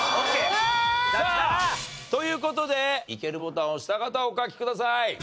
さあという事でイケるボタンを押した方お書きください。